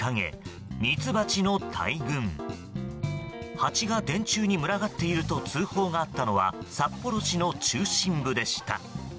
ハチが電柱に群がっていると通報があったのは札幌市の中心部でした。